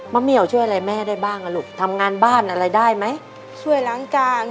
เหมียวช่วยอะไรแม่ได้บ้างอ่ะลูกทำงานบ้านอะไรได้ไหมช่วยล้างจาน